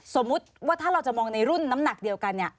สมมุติว่าถ้าเราจะมองในรุ่นน้ำหนักเดียวกันเนี่ย